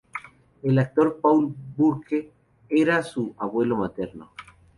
El actor Paul Burke era su abuelo materno.